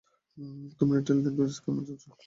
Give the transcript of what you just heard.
তোমার ইটালিয়ান ল্যাঙ্গুয়েজের ক্লাস কেমন চলছে?